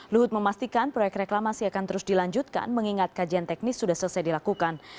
luhut memastikan proyek reklamasi akan terus dilanjutkan mengingat kajian teknis sudah selesai dilakukan